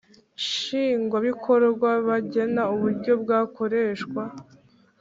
Nshingwabikorwa bagena uburyo bwakoreshwa